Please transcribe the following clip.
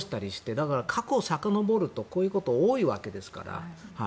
だから過去をさかのぼるとこういうこと多いわけですから。